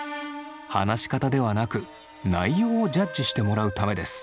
話し方ではなく内容をジャッジしてもらうためです。